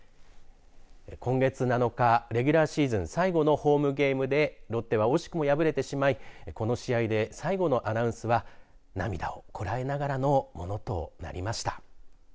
今月７日、レギュラーシーズン最後のホームゲームでロッテは惜しくも敗れてしまいこの試合で最後のアナウンスは涙をこらえながらのものとなりました。